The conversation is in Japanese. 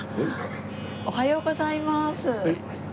おはようございます。